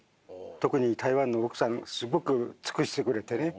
特に台湾の奥さんすごく尽くしてくれてね